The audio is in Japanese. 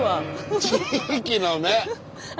「地域の目」。